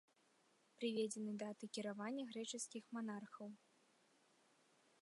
Прыведзены даты кіравання грэчаскіх манархаў.